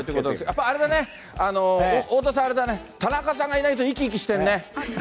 やっぱりあれだね、太田さん、あれだね、田中さんがいないと生き生きしてんね。